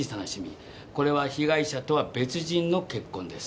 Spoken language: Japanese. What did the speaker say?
これは被害者とは別人の血痕です。